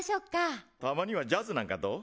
たまにはジャズなんかどう？